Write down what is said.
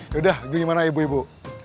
yaudah gimana ibu ibu